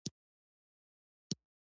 د ویب سایټ جوړول بازار لري؟